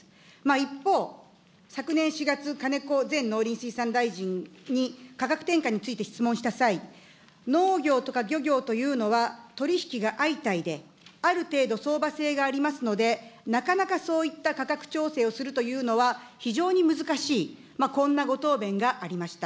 一方、昨年４月、金子前農林水産大臣に価格転嫁について質問した際、農業とか漁業というのは取り引きがあいたいで、ある程度相場制がありますので、なかなかそういった価格調整をするというのは非常に難しい、こんなご答弁がありました。